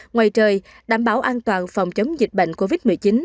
ngoài trời đảm bảo an toàn phòng chống dịch bệnh covid một mươi chín